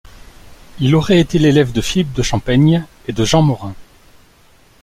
Il aurait été l'élève de Philippe de Champaigne et de Jean Morin.